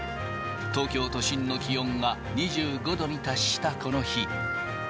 東京都心の気温が２５度に達したこの日。